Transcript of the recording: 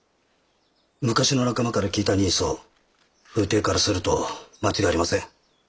昔の仲間から聞いた人相風体からすると間違いありません